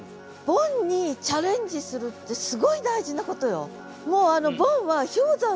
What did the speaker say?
ボンにチャレンジするってすごい大事なことよ。